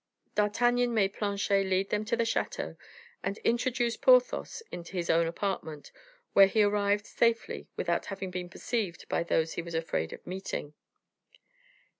D'Artagnan made Planchet lead them to the chateau, and introduced Porthos into his own apartment, where he arrived safely without having been perceived by those he was afraid of meeting.